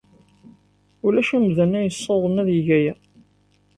Ulac amdan ay yessawḍen ad yeg aya.